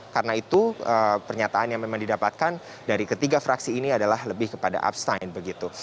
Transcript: karena itu pernyataan yang memang didapatkan dari ketiga fraksi ini adalah lebih kepada abstain begitu